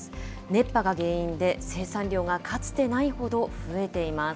熱波が原因で、生産量がかつてないほど増えています。